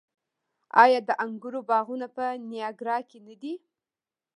آیا د انګورو باغونه په نیاګرا کې نه دي؟